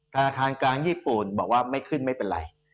ธนาคารกลางญี่ปุ่นบอกว่าไม่ขึ้นไม่เป็นไร